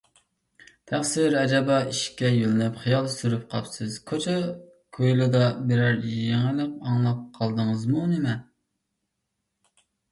تەقسىر، ئەجەبا، ئىشىككە يۆلىنىپ خىيال سۈرۈپ قاپسىز، كوچا - كويلىدا بىرەر يېڭىلىق ئاڭلاپ قالدىڭىزمۇ نېمە؟